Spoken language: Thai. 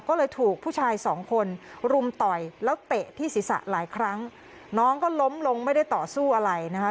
ก็เลยถูกผู้ชายสองคนรุมต่อยแล้วเตะที่ศีรษะหลายครั้งน้องก็ล้มลงไม่ได้ต่อสู้อะไรนะคะ